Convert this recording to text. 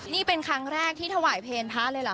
นี่เป็นครั้งแรกที่ถวายเพลงพระเลยเหรอ